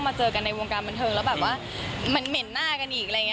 มากกว่านั้นแต่ว่าอย่างที่นุ้มบอกว่าการเป็นแฟนมันหลายส่วน